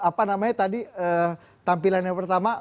apa namanya tadi tampilan yang pertama